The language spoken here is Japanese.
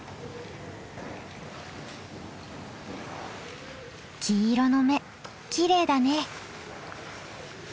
黄色の目きれいだね。